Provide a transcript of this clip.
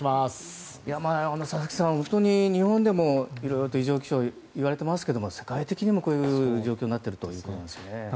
佐々木さん、本当に日本でもいろいろと異常気象といわれてますけども世界的にもこういう状況になっているんですね。